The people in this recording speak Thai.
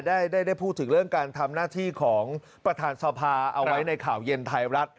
ได้พูดถึงเรื่องการทำหน้าที่ของประธานสภาเอาไว้ในข่าวเย็นไทยรัฐ